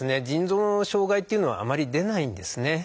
腎臓の障害というのはあまり出ないんですね。